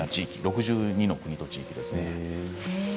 ６２の国と地域です。